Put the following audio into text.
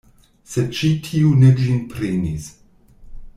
Sed ĉi tiu ne ĝin prenis.